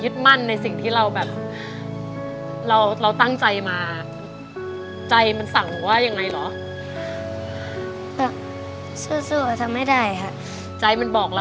อ้อจักรเรียนที